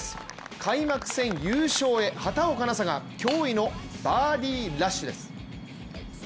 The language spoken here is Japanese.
開幕戦優勝へ、畑岡奈紗が驚異のバーディーラッシュです。